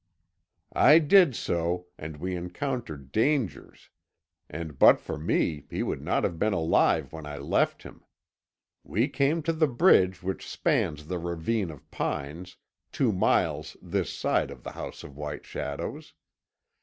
I did so, and we encountered dangers, and but for me he would not have been alive when I left him. We came to the bridge which spans the ravine of pines, two miles this side of the House of White Shadows.